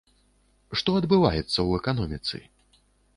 Што адбываецца ў эканоміцы?